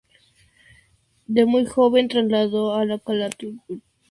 De muy joven trasladó a Calatayud, —donde se le dedicó una calle—.